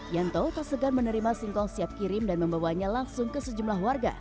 yanto tak segan menerima singkong siap kirim dan membawanya langsung ke sejumlah warga